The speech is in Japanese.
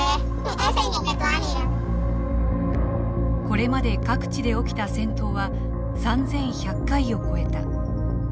これまで各地で起きた戦闘は３，１００回を超えた。